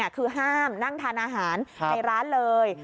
คือห้ามนั่งทานอาหารในร้านเลย